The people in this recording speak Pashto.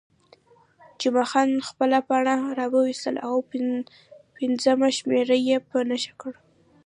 جمعه خان خپله پاڼه راویستل او پنځمه شمېره یې په نښه کړل.